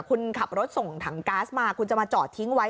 คุณขับรถส่งถังก๊าซมาคุณจะมาจอดทิ้งไว้